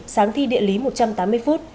sáng thi địa lý chín mươi phút